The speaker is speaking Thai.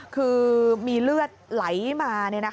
คือมีเลือดไหลมา